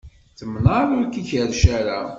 Tmenεeḍ ur k-ikerrec ara.